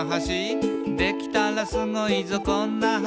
「できたらスゴいぞこんな橋」